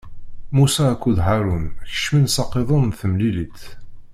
Musa akked Haṛun kecmen s aqiḍun n temlilit.